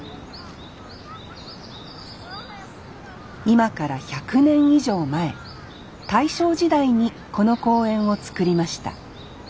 今から１００年以上前大正時代にこの公園を造りました。